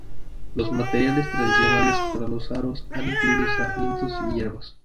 Los materiales tradicionales para los aros han incluido sarmientos y hierbas.